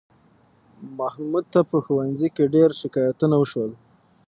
محمود ته په ښوونځي کې ډېر شکایتونه وشول